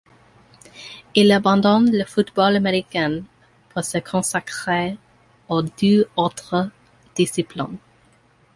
Il abandonne le football américain pour se consacrer aux deux autres disciplines.